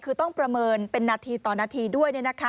คือต้องประเมินเป็นนาทีต่อนาทีด้วย